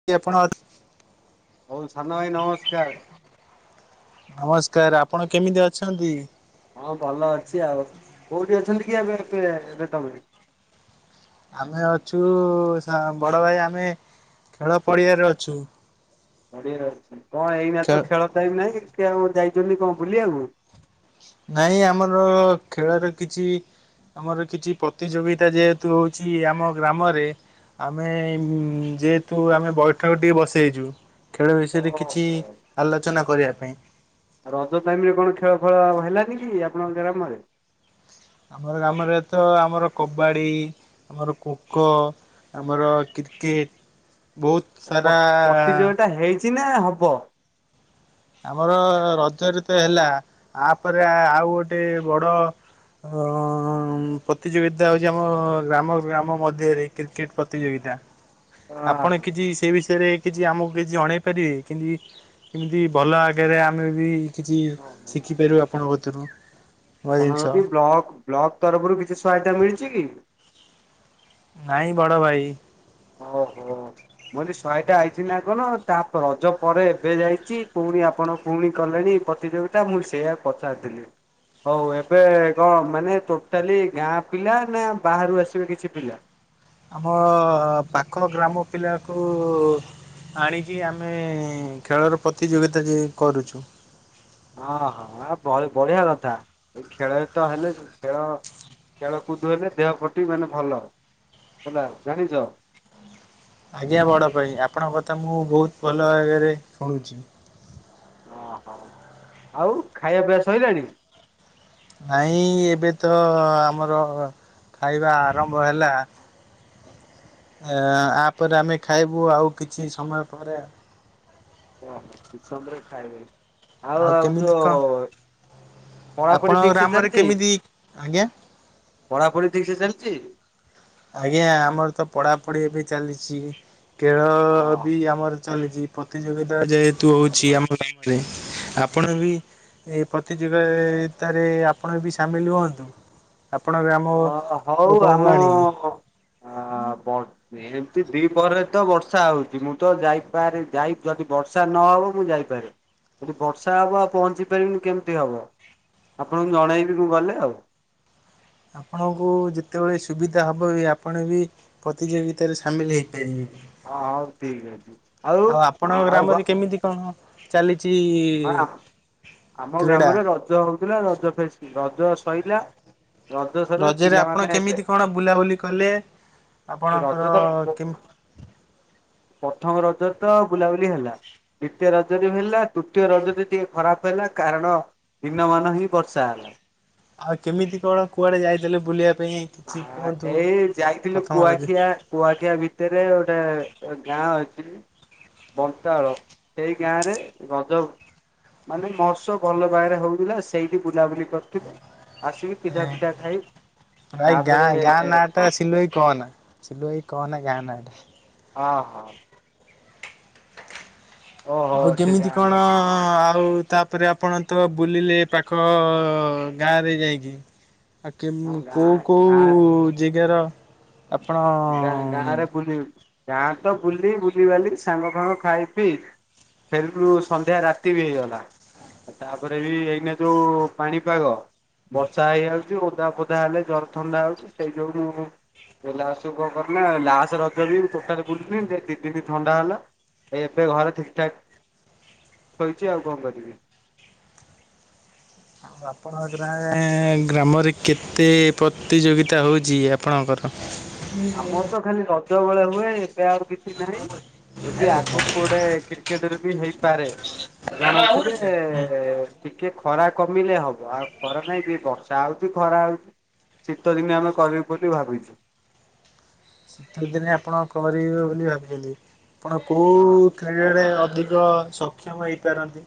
[unintelligible] ଆପଣ, ହଉ ସାନ ଭାଇ ନମସ୍କାର, ନମସ୍କାର ଆପଣ କେମିତି ଅଛନ୍ତି? ହଁ ଭଲ ଅଛି ଆଉ କୋଉଠି ଅଛନ୍ତି କି ଏବେ ତମେ [unintelligible] ଆମେ ଅଛୁ ସା ବଡ଼ ଭାଇ ଆମେ ଖେଳ ପଡିି଼ଆରେ ଅଛୁ, ପଡ଼ିଆରେ ଅଛି କଣ ଏଇନା ଖେ ତ ଖେଳ ଟାଇମ୍ ନାହିଁ କେ ଆଉ ଯାଇଛନ୍ତି କଁ ବୁଲିବାକୁ? ନାଇଁ ଆମର ଖେଳରେ କିଛି, ଆମର କିଛି ପ୍ରତିଯୋଗିତା ଯେହେତୁ ହଉଛି ଆମ ଗ୍ରାମରେ, ଆମେ ଯେହେତୁ ଆମେ ବୈଠକ ଟିକେ ବସେଇଛୁ, ଖେଳ ବିଷୟରେ କିଛି ଆଲୋଚନା କରିବା ପାଇଁ, ଆଉ ରଜ ଟାଇମ୍ ରେ କଣ ଖେଳ ଫେଳ ହେଲାନି କି ଆପଣଙ୍କ ଗ୍ରାମରେ? ଆମର ଗ୍ରାମରେ ତ ଆମର କବାଡ଼ି, ଆମର କୋକ ଆମର କିତ୍ କିତ୍, ବହୁତ୍ ସାରା, ଚିନ୍ନା ହବ, ଆମର ରଜରେ ତ ହେଲା ଆପରେ ଆଉ ଗୋଟେ ବଡ଼, ହଅ ମ୍ ପ୍ରତିଯୋଗିତା ହଉଛି ଆମ ଗ୍ରାମ-ଗ୍ରାମ ମଧ୍ୟରେ କ୍ରିକେଟ ପ୍ରତିଯୋଗିତା, ଆପଣ କିଛି ସେଇ ବିଷ୍ ସେଇ ବିଷୟ ରେ କିଛି ଆମକୁ କିଛି ଜଣେଇ ପାରବେ କିମିତି-କିମିତି ଭଲ ଆକାରେ ଆମେ ବି, କିଛି ଆପଣଙ୍କର ଶିଖିପାରିବୁ ଆପଣଙ୍କ କତୁରୁ, ନୂଆ ଆପଣ ଜିନିଷ। ଯଦି ବ୍ଲକ୍ ତରଫରୁ କିଛି ସହାୟତା ମିଳିଛି କି? ନାଇଁ ବଡ଼ ଭାଇ, ଓହୋ, ମୁ କହିଲି ଶହେଟା ଆଇଛି ନା କଣ ତା ରଜ ପରେ ଏବେ ଯାଇଛି ପୁଣି ଆପଣ ପୁଣି କଲେଣି ପ୍ର ତିଯୋଗିତା ମୁଁ ସେଇଟା ପାଚାରୁଥିଲି, ହଉ ଏବେ କଣ ମାନେ ଟୋଟାଲି ଗାଁ ପିଲା ନା ବାହାରୁ ଆସିବେ କିଛି ପିଲା? ଆମ ପାଖ ଗ୍ରାମ ପିଲାକୁ ଆଣିକି ଆମେ ଖେଳର ପ୍ରତିଯୋଗିତା ଯିଏ କରୁଛୁ। ହଁ, ହଁ ଆ ବ--ବଢ଼ିଆ କଥା, ଏଇ ଖେଳରେ ତ ହେଲେ ଖେଳ ଖେଳ କୁଦ ହେଲେ ଦେହ ପ୍ରତି ମାନେ ଭଲ, ହେଲା ଜାଣିଛ? ଆଜ୍ଞା ବଡ ଭାଇ ଆପଣଙ୍କ କଥା ମୁଁ ବହୁତ ଭଲ ଭାବରେ ଶୁଣୁଛି। ଓହୋ, ଆଉ ଖାଇବା ପିଇବା ସରିଲାଣି? ନାଇଁ ଏବେ ତ ଆମର ଖାଇବା ଆରମ୍ଭ ହେଲା, ଆ ଆପରେ ଆମେ ଖାଇବୁ ଆଉ କିଛି ସମୟ ପରେ। ଓହୋ, କିଛି ସମୟ ପରେ ଖାଇବେ ଆଉ ଆଉ ଯୋ କେମିତି କଣ ପଢ଼ାପଢ଼ି ଆପଣଙ୍କ ଠିକ୍ ସେ ଗ୍ରାମରେ ଚାଲିଛି? କେମିତି ଆଜ୍ଞା ପଢ଼ାପଢ଼ି ଠିକ୍ ସେ ଚାଲିଛି? ଆଜ୍ଞା। ଆମର ତ ପଢ଼ାପଢ଼ି ବି ଚାଲିଛି ଖେଳ ହଁ ବି ଆମର ଚାଲିଛି ପ୍ରତିଯୋଗିତା ଯେହେତୁ ଆ ହେଉଛି ଭଲ ଆମ [unintelligible] ରେ ଆପଣ ବି ଏ ପ୍ରତିଯୋଗ--ତାରେ ଆପଣ ବି ସାମିଲ୍ ହୁଅନ୍ତୁ। ଆପଣ ଗ୍ରାମ ଅ ହଉ ଲୋକଙ୍କୁ ଆମ ଆଣିକି ଅ [unintelligible] ଏମିତି ଦି ପହରରେ ତ ବର୍ଷା ହେଉଛି ମୁଁ ତ ଯାଇପାରେ ଯାଇ ଯଦି ବର୍ଷା ନହେବ ମୁଁ ଯାଇପାରେ। ଏଠି ବର୍ଷା ହବ ଆଉ ପହଞ୍ଚି ପାରିବିନି କେମିତି ହବ ଆପଣଙ୍କୁ ଜଣେଇବି ମୁଁ ଗଲେ ଆଉ। ଆପଣଙ୍କୁ ଯେତେବେଳେ ସୁବିଧା ହେବ ବି ଆପଣ ବି ପ୍ରତିଯୋଗିତାରେ ସାମିଲ୍ ହେଇପାରିବେ। ହଁ ହଉ ଠିକ ଅଛି ଆଉ ଆପଣଙ୍କ ଆଉ ଗ ଗ୍ରାମରେ କେମିତି କଣ ଚାଲିଛି ହଁ, ଆ--ଆମ କ୍ରୀଡ଼ା? ଗ୍ରାମରେ ରଜ ହଉଥିଲା ରଜ ଫେଷ୍ଟି ରଜ ସଇଲା ରଜ ସରିଲା ରଜରେ ଆପଣ ପିଲାମାନେ ଏବେ କେମିତି କଣ ବୁଲାବୁଲି କଲେ ଆପଣଙ୍କର ରଜ ତ କେମି ପ୍ରଥମ ରଜରେ ତ ବୁଲାବୁଲି ହେଲା, ଦ୍ୱିତୀୟ ରଜରେ ବି ହେଲା। ତୃତୀୟ ରଜଟି ଟିକେ ଖରାପ ହେଲା କାରଣ ଦିନମାନ ହିଁ ବର୍ଷା ହେଲା। ଆଉ କେମିତି କଣ କୁଆଡେ ଯାଇଥିଲେ ବୁଲିବା ପାଇଁ? କିଛି ହଁ କୁହନ୍ତୁ? ଏଇ ଯାଇଥିଲୁ ପ୍ରଥମ ରଜ କୁଆଖିଆ କୁଆଖିଆ ଭିତରେ ଗୋଟେ ଗାଁ ଅଛି, ବନ୍ତାଳ ସେଇ ଗାଁ ରେ ରଜ ମାନେ ମହୋତ୍ସବ ଭଲ ଭାବରେ ହେଉଥିଲା ସେଇଠି ବୁଲାବୁଲି କରିଥିଲୁ, ଆସିକି ଏଁ ପିଠାଫିଠା ଖାଇ ଭାଇ ଗାଁ, ତାପରେ ଗାଁ ନାଁ ଟା ସିଲୁଭାଇ କହନା ସିଲୁଭାଇ କହ ନା ଗାଁ ନାଁ ଟା। ହଁ, ହଁ। ଓହୋ ଆଉ ସେ କେମିତି ଗାଁ ଟା କଣ ସବୁ ଆଉ ତା ଆପଣ ତ ବୁଲିଲେ ପାଖ ଗାଁରେ ଯାଇକି। ଆ ହଁ କେମି କୋଉ ଗାଁ କୋଉ ଗାଁ ଜେଗାର ଆପଣ ବୁଲିବାକୁ ଗାଁ ତ ବୁଲି ବୁଲିିବାଲି ସାଙ୍ଗ ଫାଙ୍ଗ ଖାଇପିଇ ଫେରିଲୁ ସନ୍ଧ୍ୟା ରାତି ବି ହେଇଗଲା। ତାପରେ ବି ଏଇନା ଯୋଉ ପାଣିପାଗ ବର୍ଷା ହେଇଯାଉଛି ଓଦା ଫୋଦା ହେଲେ ଜର ଥଣ୍ଡା ହଉଛି ସେଇ ଯୋଗୁ ମୁଁ ଗଲା ବର୍ଷ [unintelligible] ଲାଷ୍ଟ୍ ରଜଦିନ ମୁଁ ଟୋଟାଲି ବୁଲିନି ଯେ ଦିଦିନି ଥଣ୍ଡା ହେଲା। ଏବେ ଘରେ ଠିକ ଠାକ୍, ଶୋଇଛି ଆଉ କଣ କରିବି। ଆଉ ଆପଣଙ୍କ ଗାଁ ଗ୍ରାମରେ କେତେ ପ୍ରତିଯୋଗିତା ହଉଛି ଆପଣଙ୍କର ଆମର [unintelligible] ତ ଖାଲି ରଜ ବେଳେ ହୁଏ ଏବେ ଆଉ କିଛି ନାହିଁ। ଏବେ ଆଗକୁ ଗୋଟେ କ୍ରିକେଟ୍ ରେ ବି ହେଇପାରେ। ଜଣାଉଥିଲେ ହୁଁ ଟିକେ ଖରା କମିଲେ ହବ। ଆଉ ଖରା ନାଇଁ [unintelligible] ବର୍ଷ ଷା ହଉଛି ଖରା ହଉଛି ଶୀତଦିନ ଆମେ କରିବୁ ବୋଲି ଭାବିଛୁ। ଶୀତ ଦିନେ ଆପଣ କରିବେ ବୋଲି ଭାବିଛନ୍ତି। ଆପଣ କୋଉ ହଁ କ୍ରୀଡ଼ାରେ ଅଧିକ ସକ୍ଷମ ହେଇପାରନ୍ତି?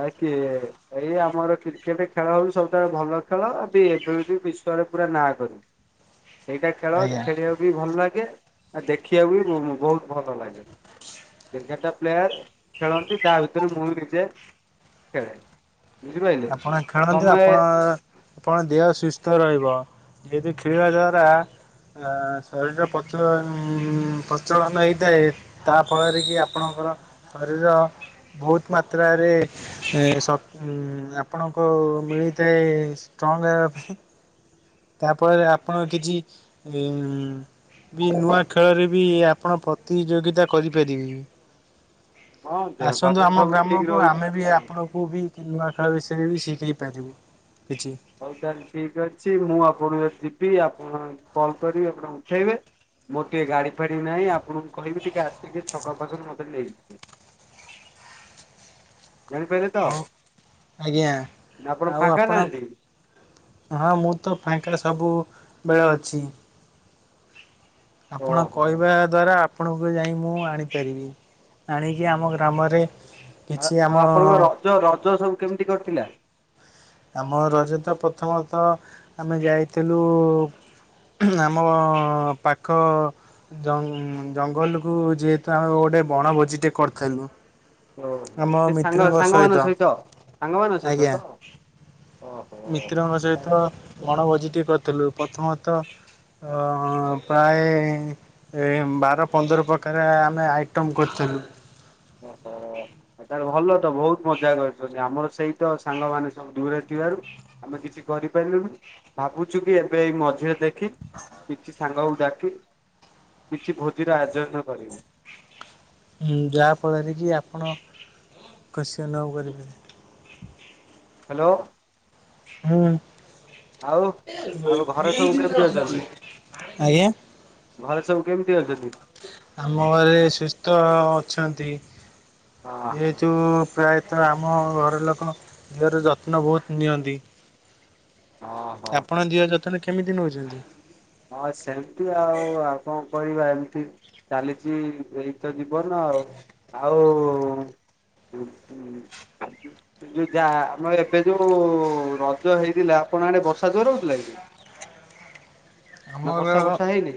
ଆ କିଏ? ଏଇ ଆମର କ୍ରିକେଟ୍ ଖେଳ ହଉ ସବୁଠାରୁ ଭଲ ଖେଳ ବି ଏବେ ବିଶ୍ୱରେ ପୁରା ନାଁ କରିବ। ଏଇଟା ଖେଳ ଆଜ୍ଞା। ଖେଳିବାକୁ ବି ଭଲ ଲାଗେ। ଆଉ ଦେଖିବାକୁ ବି ଉଁ, ବହୁତ ଭଲ ଲାଗେ। ଏଗାରଟା ପ୍ଲେୟାର୍ ଖେଳନ୍ତି ତା ଭିତରୁ ମୁଁ ବି ନିଜେ ଖେଳେ। ବୁଝିପାରିଲେ ଆପଣ ଖେଳନ୍ତି ତମେ ଆପଣ ଆପଣ ଦେହ ସୁସ୍ଥ ରହିବ। ଡେଲି ଖେଳିବା ଦ୍ଵାରା ଆ, ଶରୀର ପ୍ରଚଳ ଉଁ, ପ୍ରଚଳନ ହେଇଥାଏ। ତା ଫଳରେ କି ଆପଣଙ୍କର ଶରୀର ବହୁତ ମାତ୍ରାରେ ଏ, ଶ- ଉଁ, ଆପଣଙ୍କୁ ମିଳିଥାଏ ଷ୍ଟ୍ରଙ୍ଗ୍ ହେବାପାଇଁ। ତା ଫଳରେ ଆପଣ କିଛି ଏ ଉଁ, ବି ନୂଆ ଖେଳରେ ବି ଆପଣ ପ୍ରତିଯୋଗିତା କରିପାରିବେ। ହଁ ଦେହ ପା ଆସନ୍ତୁ ତ ଆମ ସବୁ ଠିକ ଗ୍ରାମକୁ ଆମେ ବି ରହୁଛି। ଆପଣ କୁ ବି ଏ ନୂଆ ଖେଳ ବିଷୟରେ ବି ଶିଖେଇ ପାରିବୁ କିଛି। ହଉ ତାହେଲେ ଠିକ ଅଛି ମୁଁ ଆପଣଙ୍କ ଯିବି। ଆପଣ କଲ୍ କରିବି ଆପଣ ଉଠେଇବେ। ମୋର ଟିକେ ଗାଡ଼ି ଫାଡ଼ି ନାହିଁ ଆପଣଙ୍କୁ କହିବି ଟିକେ ଆସିକି ଛକ ପାଖରୁ ମୋତେ ନେଇଯିବେ। ଜାଣିପାରିଲେ ତ? ଅଉ ଆଜ୍ଞା ଆଉ ଫାଙ୍କା ଆପଣ ନାହାନ୍ତି? ହଁ ମୁଁ ତ ଫାଙ୍କା ରେ ସବୁ ବେଳେ ଅଛି। ଆପଣ ଓହୋ କହିବା ଦ୍ଵାରା ଆପଣଙ୍କୁ ଯାଇ ମୁଁ ଆଣିପାରିବି। ଆଣିକି ଆମ ଗ୍ରାମରେ କିଛି ଆମ ଜ- ରଜ ସବୁ କେମିତି କଟିଲା? ଆମ ରଜ ତ ପ୍ରଥମତଃ ଆମେ ଯାଇଥିଲୁ ଆମ ପାଖ ଜ-ଉଁ, ଜଙ୍ଗଲ କୁ ଯେହେତୁ ଆମେ ଗୋଟେ ବଣଭୋଜି ଟେ କରିଥିଲୁ। ଆମ ସେ ସାଙ୍ଗ ମିତ୍ରଙ୍କ ସାଙ୍ଗମାନଙ୍କ ସହିତ ସାଙ୍ଗମାନଙ୍କ ସହିତ ଆଜ୍ଞା। ତ? ଓହୋ। ମିତ୍ରଙ୍କ ସହିତ ବଣଭୋଜି ଟିଏ କରିଥିଲୁ। ପ୍ରଥମତଃ ଅ, ପ୍ରାୟେ ଏ ବାର ପନ୍ଦର ପ୍ରକାର ଆମେ ଆଇଟମ କରିଥିଲୁ। ଓ ହୋ! ତାହଲେ ଭଲ ତ ବହୁତ ମଜା କରିଛନ୍ତି। ଆମର ସେଇତ ସାଙ୍ଗମାନେ ସବୁ ଦୂରେ ଥିବାରୁ ଆମେ କିଛି କରିପାରିଲୁନି ଭାବୁଛୁ କି ଏବେ ଏଇ ମଝିରେ ଦେ ଖି କିଛି ସାଙ୍ଗକୁ ଡାକି କିଛି ଭୋଜିର ଆୟୋଜନ କରିବୁ। ମୁଁ ଯାହା ଫଳରେ କି ଆପଣ ଖସି ଅନୁଭବ କରିବେ। ହ୍ୟାଲୋ। ମୁଁ ଆଉ ଆଉ ଘରେ ସବୁ କେମିତି ଅଛନ୍ତି ଆଜ୍ଞା ଘରେ ସବୁ କେମିତି ଅଛନ୍ତି? ଆମ ଘରେ ସୁସ୍ଥ ଅଛନ୍ତି। ଯେ ଓହୋ [unintelligible] ପ୍ରାୟତଃ ଆମ ଘର ଲୋକ ଦେହର ଯତ୍ନ ବହୁତୁ ନିଅନ୍ତି। ହଁ। ଆପଣ ଦିହ ଯତ୍ନ କେମିତି ନଉଛନ୍ତି? ହଁ ସେମିତି ଆଉ ଆଉ କଣ କରିବା ଏମିତି। ଚାଲିଛି ଏଇ ତ ଜୀବନ ଆଉ ଆଉ [inaudible] ଯୋଉ ଯା ଆମର ଏବେ ଯୋଉ ରଜ ହେଇଥିଲା ଆପଣ ଆଡ଼େ ବର୍ଷା ଜୋର ହଉଥିଲା କି? ନା ଆମର ବର୍ଷା ବର୍ଷା ହେଇନି?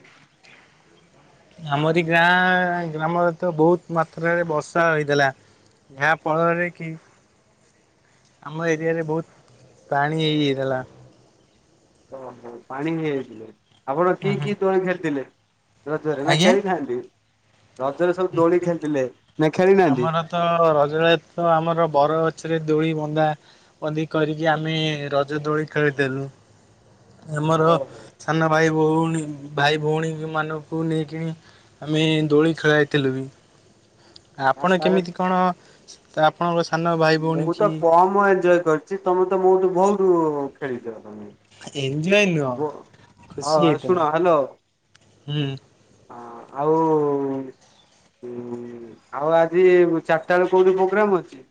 ଆମରି ଗାଁ ଗ୍ରାମରେ ତ ବହୁତ ମାତ୍ରାରେ ବର୍ଷା ହୋଇଥିଲା। ଯାହା ଫଳରେ କି? ଆମ ଏରିଆରେ ବହୁତ ପାଣି ହେଇଯାଇଥିଲା। ଓ ପାଣି ହେଇଯାଇଥିଲେ ଆପଣ ହୁଁ କିଏ ହୁଁ କିଏ ଦୋଳି ଖେଳିଥିଲେ ରଜରେ ନା ଆଜ୍ଞା। ଖେଳିନାହାନ୍ତି? ରଜରେ ସବୁ ଦୋଳି ଖେଳିଥିଲେ। ନା ଖେଳି ନାହାନ୍ତି? ଆମର ତ ରଜରେ ତ ଆମର ବର ଗଛରେ ଦୋଳି ବନ୍ଦା ବନ୍ଦି କରିକି ଆମେ ରଜ ଦୋଳି ଖେଳିଥିଲୁ। ଏମର ଓହୋ ସାନ ଭାଇ ଭଉଣୀ ଭାଇ ଭଉଣୀମାନଙ୍କୁ ନେଇକିଣି ଆମେ ଦୋଳି ଖେଳାଇଥିଲୁ ବି। ଆ ଆପଣ କେମିତି ତାହେଲେ କଣ ଆପଣଙ୍କ ସାନ ଭା ମୁଁ ତ କମ ଏଞଜୟ କରିଛି ତମେ ତ ମୋଠୁ ବହୁତୁ ଖେଳିଛ ତମେ। ଏନ୍ଜୟ ବୋ ନୁହଁ ଖୁସି ହଁ ଶୁଣ ହେଇଥିଲ। ହଁ ଆଉ ହୁଁ ଆଉ ଆଜି ଚାରିଟା ବେଳେ କୋଉଠି ପ୍ରୋଗ୍ରାମ୍ ଅଛି?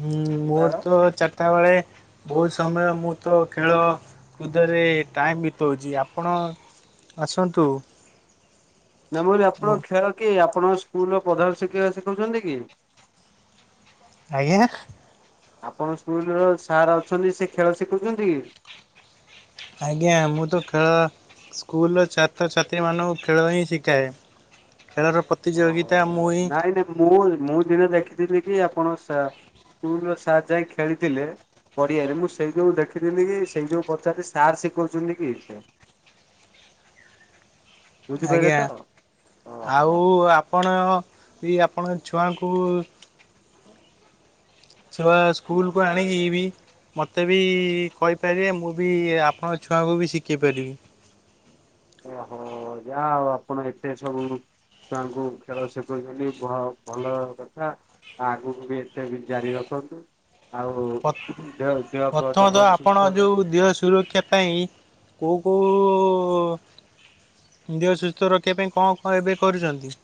ହୁଁ ମୋର ଯିବାର? ତ ଚାରିଟା ବେଳେ ବହୁତ ସମୟ ମୁଁ ତ ଖେଳ କୁଦରେ ଟାଇମ୍ ବିତଉଚି ଆପଣ ଆସନ୍ତୁ। ନାଁ ମୁଁ କହିଲି ଆପଣ ଖେଳ କି ଆପଣଙ୍କ ସ୍କୁଲର ପ୍ରଧାନ ଶିକ୍ଷକ ଶିଖଉଛନ୍ତି କି? ଆଜ୍ଞା ଆପଣ ସ୍କୁଲର ସାର୍ ଅଛନ୍ତି ସେ ଖେଳ ଶିଖଉଛନ୍ତି କି? ଆଜ୍ଞା ମୁଁ ତ ଖେଳ ସ୍କୁଲର ଛାତ୍ରଛାତ୍ରୀମାନଙ୍କୁ ଖେଳ ହିଁ ଶିକାଏ। ଖେଳର ଅ ପ୍ରତିଯୋଗିତା ନାଇଁ ମୁହିଁ ନାଇଁ ମୁଁ ମୁଁ ଦିନେ ଦେଖିଥିଲି କି ଆପଣ ଶା ସ୍କୁଲର ସାର୍ ଯାଇ ଖେଳିଥିଲେ। ପଡ଼ିଆରେ ମୁଁ ସେଇ ଯୋଉ ଦେଖିଥିଲି କି ସେଇ ଯୋଉ ପଚାରିଲି ସାର୍ ସିକଉଛନ୍ତି କି? ବୁଝିପାରିଲେ ଆଜ୍ଞା ତ? ଓହୋ ଆଉ ଆ ପଣ ବି ଆପଣ ଛୁଆଙ୍କୁ [unintelligible] ସ୍କୁଲକୁ ଆଣି କିି ବି ମୋତେ ବି କହିପାରିବେ ମୁଁ ବି ଆପଣଙ୍କ ଛୁଆଙ୍କୁ ବି ଶିଖେଇ ପାରିବି। ଓହୋ ଯା ହଉ ଆପଣ ଏତେ ସବୁ ଛୁଆଙ୍କୁ ଖେଳ ସିଖଉଛନ୍ତି ଭ ଭଲ କଥା। ଆଗକୁ ବି ଏଟା ବି ଜାରି ରଖନ୍ତୁ। ଆଉ ପ ଦେହ ଦେହ ଫେହ ପ୍ରଥମତଃ ତମର ସୁସ୍ଥ ଆପଣ ରହୁ। ଜୋଉ ଦିହ ସୁରକ୍ଷା ପାଇଁ କୋଉ କୋଉ ଦେହ ସୁସ୍ଥ ରଖିବା ପାଇଁ କଣ କଣ ଏବେ କରୁଛନ୍ତି?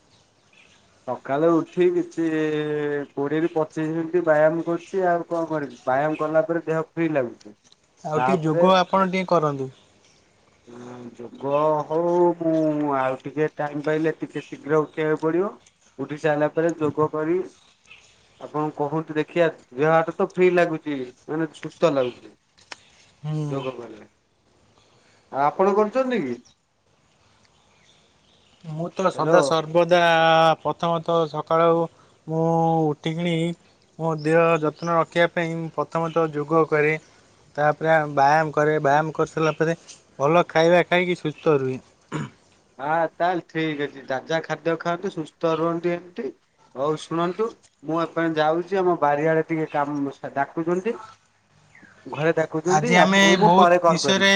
ସଖାଲୁ ଉଠି କିଛି କୋଡ଼ିଏରୁ ପଚିଶି ମିନିଟ୍ ବ୍ୟାୟାମ୍ କରୁଛି ଆଉ କଣ କରିବି? ବ୍ୟାୟାମ୍ କଲା ପରେ ଦେହ ଫ୍ରି ଲାଗୁ ଆଉ ଟିକେ ଯୋଗ ଆପଣ ଟିକେ କରନ୍ତୁ। ହୁଁ। ଯୋଗ ହଉ ମୁଁ ଆଉ ଟିକେ ଟାଇମ ପାଇଲେ ଟିକେ ଶୀଘ୍ର ଉଠେଇଆକୁ ପଡିବ। ଉଠି ସାଇଲା ପରେ ଯୋଗ କରିବି। ଆପଣ କହୁନ୍ତୁ ଦେଖିବା ଦେହ ହାତ ତ ଫ୍ରି ଲାଗୁଚି ମାନେ ସୁସ୍ଥ ଲାଗୁଚି। ହୁଁ ଯୋଗ କରିବି ଆଉ ଆପଣ କରୁଛନ୍ତି କି? ମୁଁ ତ ସଦା ସାର୍ ହ୍ୟାଲୋ। ସର୍ବଦା ପ୍ରଥମତଃ ସକାଳୁ ମୁଁ ଉଠିକିଣି ମୋ ଦେହ ଯତ୍ନ ରଖିବା ପାଇଁ ମୁଁ ପ୍ରଥମତଃ ଯୋଗ କରେ। ତାପରେ ବ୍ୟାୟାମ କରେ ବ୍ୟାୟାମ କରିସାରିଲା ପରେ ଭଲ ଖାଇବା ଖାଇକି ସୁସ୍ଥ ରୁହେ। ହଁ ତାହେଲେ ଠିକ୍ ଅଛି ତାଜା ଖାଦ୍ୟ ଖାଆନ୍ତୁ ସୁସ୍ଥ ରୁହନ୍ତୁ ଏମତି। ହଉ ଶୁଣନ୍ତୁ ମୁଁ ଏପାଇଁ ଯାଉଚି ଆମ ବାରିଆଡ଼େ ଟିକେ କାମ ଡାକୁଛନ୍ତି ଘରେ ଦେଖ ଆଜି ଆମେ ବହୁତ ବିଷୟରେ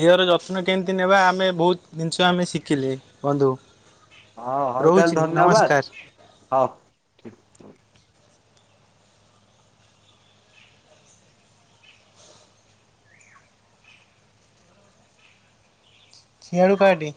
ଦିଅର ଯତ୍ନ କେମିତି ନେବା ଆମେ ବହୁତ ଜିନିଷ ଆମେ ଶିଖିଲେ ବନ୍ଧୁ। ହଁ ହଉ ରହୁଛି ତାହେଲେ ଧନ୍ୟବାଦ ନମସ୍କାର। ହଉ। ଠିକ। ସିଆଡୁ କାଟେ।